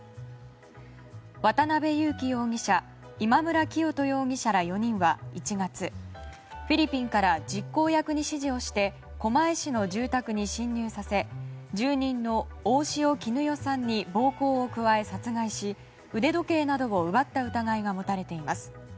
渡邉優樹容疑者今村磨人容疑者ら４人は１月、フィリピンから実行役に指示をして狛江市の住宅に侵入させ住人の大塩衣與さんに暴行を加え殺害し腕時計などを奪った疑いが持たれています。